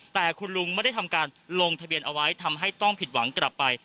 แต่คุณลุงไม่ได้ทำการลงทะเบียนเอาไว้ทำให้ต้องผิดหวังกลับไป